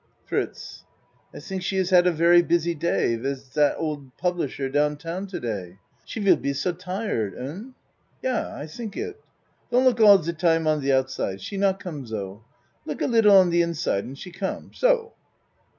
FRITZ I tink she has had a very busy day with dot old publisher down town to day. She will be so tired. Un? Yah, I tink it. Don't look all de time on de outside. She not come so. Look a lid die on de inside an she come. So.